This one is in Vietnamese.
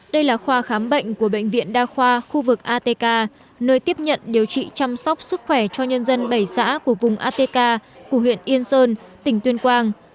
đây là khoa khám bệnh của bệnh viện đa khoa khu vực atk nơi tiếp nhận điều trị chăm sóc sức khỏe cho nhân dân bảy xã của vùng atk của huyện yên sơn tỉnh tuyên quang